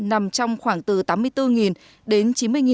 nằm trong khoảng từ tám mươi bốn đồng